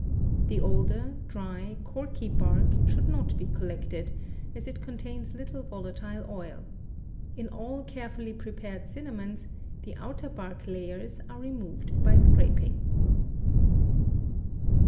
The older, dry, corky bark should not be collected, as it contains little volatile oil. In all carefully prepared cinnamons the outer bark layers are removed by scraping.